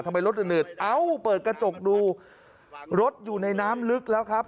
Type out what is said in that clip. ทำไมรถมันเหนืดเปิดกระจกดูรถอยู่ในน้ำลึกแล้วครับ